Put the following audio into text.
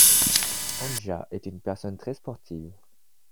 Anja est une personne très sportive.